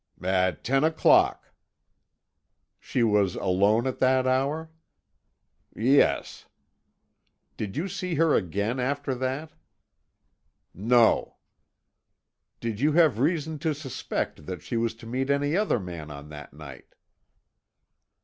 "At ten o'clock." "She was alone at that hour?" "Yes." "Did you see her again after that?" "No." "Did you have reason to suspect that she was to meet any other man on that night?"